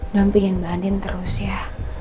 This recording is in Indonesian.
nampingin mbak andin terus ya